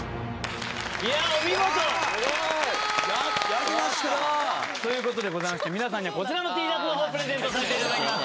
いやお見事！ということでございまして皆さんにはこちらのＴシャツの方プレゼントさせていただきます。